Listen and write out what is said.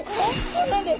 そうなんです。